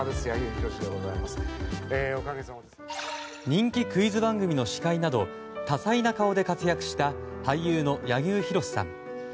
人気クイズ番組の司会など多彩な顔で活躍した俳優の柳生博さん。